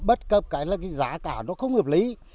bất cập cái giá cả nó không hiệp lý